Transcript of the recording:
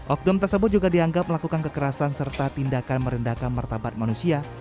oknum tersebut juga dianggap melakukan kekerasan serta tindakan merendahkan martabat manusia